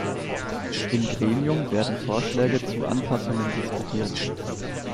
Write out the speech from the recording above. Im Gremium werden Vorschläge zu Anpassungen diskutiert.